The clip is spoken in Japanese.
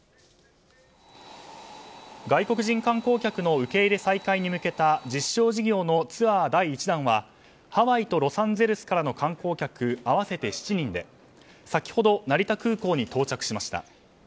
外国人観光客の受け入れ再開に向けた実証事業のツアー第１弾はハワイとロサンゼルスからの観光客合わせて７人で先ほど、成田空港に到着しました。